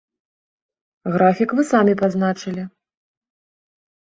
Графік вы самі пазначылі.